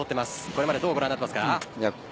これまでどうご覧になっていますか？